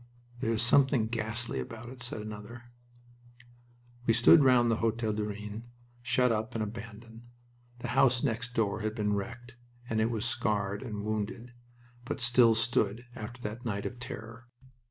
"There is something ghastly about it," said another. We stood round the Hotel du Rhin, shut up and abandoned. The house next door had been wrecked, and it was scarred and wounded, but still stood after that night of terror.